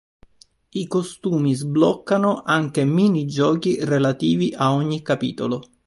I costumi sbloccano anche minigiochi relativi a ogni capitolo.